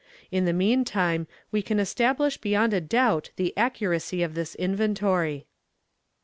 In the meantime, we can establish beyond a doubt the accuracy of this inventory."